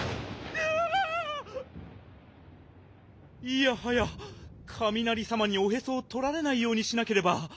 いやはやかみなりさまにおへそをとられないようにしなければ。